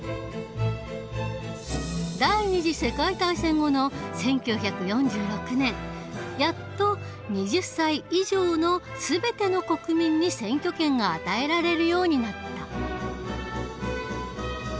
第２次世界大戦後の１９４６年やっと２０歳以上の全ての国民に選挙権が与えられるようになった。